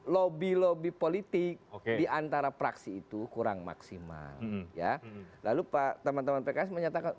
lobby lobby politik diantara praksi itu kurang maksimal ya lalu pak teman teman pks menyatakan